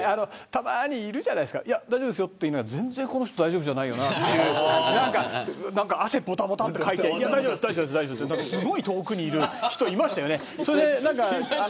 たまにいるじゃないですか大丈夫ですよと言いながらこの人大丈夫じゃないよなみたいな汗をかきながらすごい遠くにいる人いましたよね。